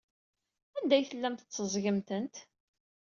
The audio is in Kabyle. Anda ay tellam tetteẓẓgem-tent?